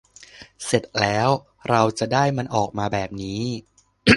เสร็จแล้ว เราจะได้มันออกมาแบบนี้